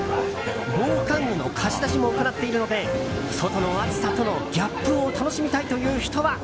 防寒具の貸し出しも行っているので外の暑さとのギャップを楽しみたいという人は、